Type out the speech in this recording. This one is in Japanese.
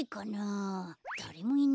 だれもいないや。